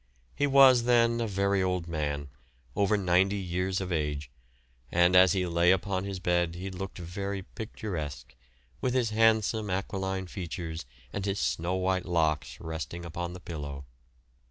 He was then a very old man, over 90 years of age, and as he lay upon his bed he looked very picturesque, with his handsome aquiline features and his snow white locks resting upon the pillow.